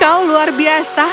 kau luar biasa